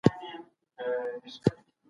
انسان باید د ژوند تر پایه زده کړه وکړي.